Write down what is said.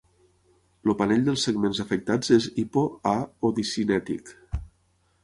El panell dels segments afectats és -hipo-, a- o discinètic.